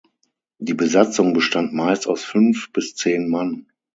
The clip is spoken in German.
Die Besatzung bestand meist aus fünf bis zehn Mann.